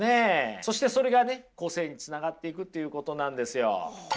そしてそれがね個性につながっていくっていうことなんですよ。